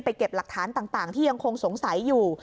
เก็บหลักฐานต่างที่ยังคงสงสัยอยู่